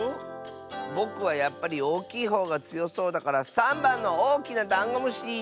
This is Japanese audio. ぼくはやっぱりおおきいほうがつよそうだから３ばんのおおきなダンゴムシ！